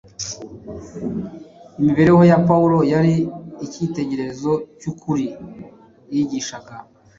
Imibereho ya Pawulo yari icyitegererezo cy’ukuri yigishaga